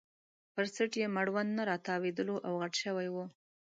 پر څټ یې مړوند نه راتاوېدلو او غټ شوی وو.